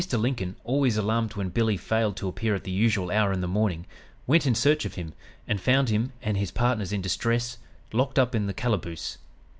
Lincoln, always alarmed when Billy failed to appear at the usual hour in the morning, went in search of him, and found him and his partners in distress, locked up in the calaboose.